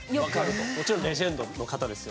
もちろんレジェンドの方ですよね。